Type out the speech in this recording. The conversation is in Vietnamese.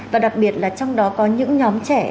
và đặc biệt là trong đó có những nhóm trẻ